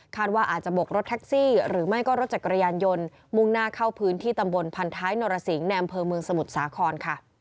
คาดว่าอาจจะบกรถแท็กซี่หรือรถจักรยานยนต์มุ่งหน้าเข้าพื้นที่ตำบลพันธ้ายนรสิงในอำเภอสมุทรสาคร